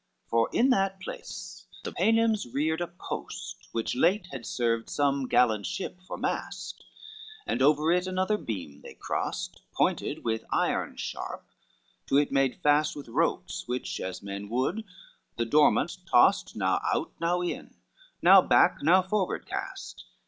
LXXX For in that place the Paynims reared a post, Which late had served some gallant ship for mast, And over it another beam they crossed, Pointed with iron sharp, to it made fast With ropes which as men would the dormant tossed, Now out, now in, now back, now forward cast.